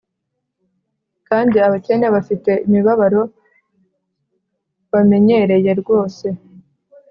kandi abakene bafite imibabaro bamenyereye rwose,